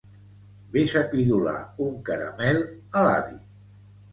Ves a pidolar un caramel a l'avi.